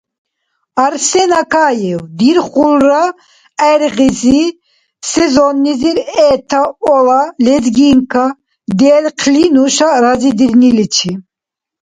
Арсен Акаев: «Дирхулра, гӏергъиси сезоннизир Это`О-ла «лезгинка» делхъли нуша разидирниличи»